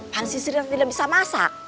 pan si sri tidak bisa masak